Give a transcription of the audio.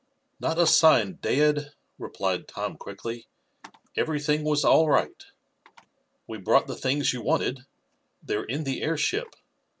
"Not a sign, dad," replied Tom quickly. "Everything was all right. We brought the things you wanted. They're in the airship.